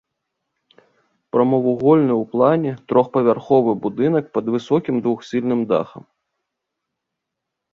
Прамавугольны ў плане трохпавярховы будынак пад высокім двухсхільным дахам.